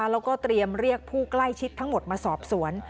แล้วก็เตรียมเรียกผู้ใกล้ชิดทั้งหมดมาสอบสวน